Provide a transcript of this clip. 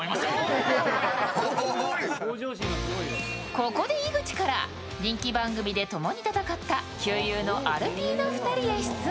ここで井口から人気番組でともに戦った旧友のアルピーの２人へ質問。